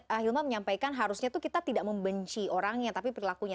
tapi kan ahilman menyampaikan harusnya kita tidak membenci orangnya tapi perlakunya